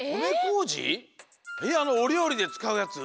えっあのおりょうりでつかうやつ？